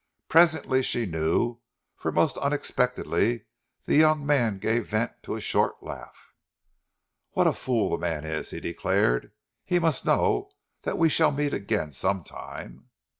Presently she knew, for most unexpectedly the young man gave vent to a short laugh. "What a fool the man is!" he declared. "He must know that we shall meet again some time!...